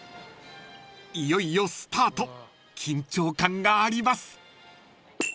［いよいよスタート緊張感があります］